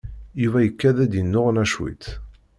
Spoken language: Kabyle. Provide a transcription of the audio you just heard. Yuba ikad-d yennuɣna cwiṭ.